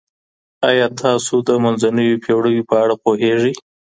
آيا تاسو د منځنيو پېړيو په اړه پوهيږئ؟